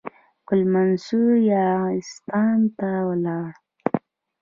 ګل منصور یاغستان ته ولاړ.